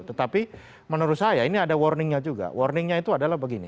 tetapi menurut saya ini ada warningnya juga warningnya itu adalah begini